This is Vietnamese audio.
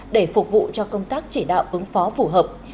để phục vụ cho công tác chỉ đạo ứng phó phù hợp